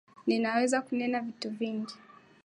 Ninaweza kunena vitu vingi